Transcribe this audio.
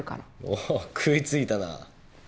おお食いついたな。